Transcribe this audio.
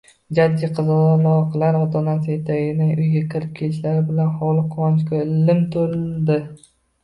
Jajji qizaloqlar ota-onasi etagida uyga kirib kelishlari bilan hovli quvonchga lim to`ldi